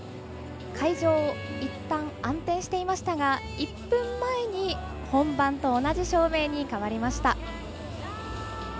会場、いったん暗転していましたが１分前に、本番と同じ照明に変わりました。